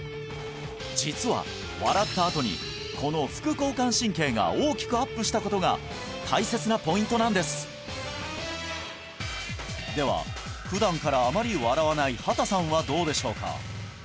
実は笑ったあとにこの副交感神経が大きくアップしたことが大切なポイントなんですでは普段からあまり笑わない畑さんはどうでしょうか？